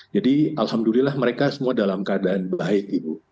jadi alhamdulillah mereka semua dalam keadaan baik